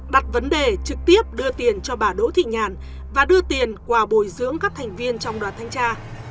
đặt vấn đề trực tiếp đưa tiền cho bà đỗ thị nhàn và đưa tiền quà bồi dưỡng các thành viên trong đoàn thanh tra